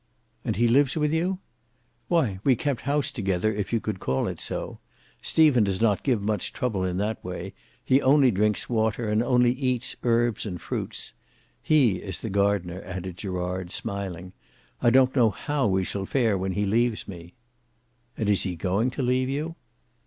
"And he lives with you?" "Why, we kept house together, if you could call it so. Stephen does not give much trouble in that way. He only drinks water and only eats herbs and fruits. He is the gardener," added Gerard, smiling. "I don't know how we shall fare when he leaves me." "And is he going to leave you?"